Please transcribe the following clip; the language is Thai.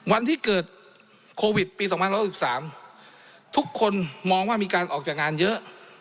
วันที่เกิดโควิดปี๒๖๓ทุกคนมองว่ามีการออกจากงานเยอะ